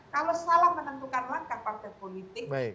kalau salah menentukan langkah partai politik